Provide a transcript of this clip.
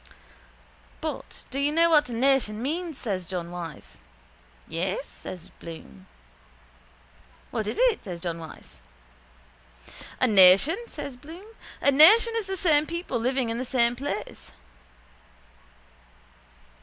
—But do you know what a nation means? says John Wyse. —Yes, says Bloom. —What is it? says John Wyse. —A nation? says Bloom. A nation is the same people living in the same place.